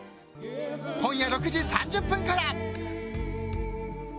今夜６時３０分から。